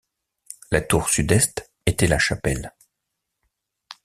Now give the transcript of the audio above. La tour sud-est était la chapelle.